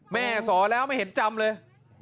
สอแล้วไม่เห็นจำเลย